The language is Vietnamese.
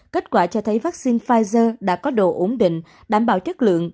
kết quả cho thấy vaccine pfizer đã có độ ổn định đảm bảo chất lượng